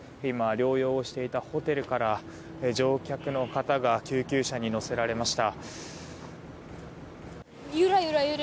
療養をしていたホテルから乗客の方が救急車に乗せられました。